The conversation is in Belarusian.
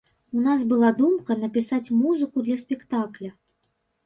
У нас была думка напісаць музыку для спектакля.